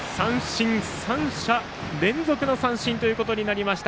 ３者連続の三振となりました。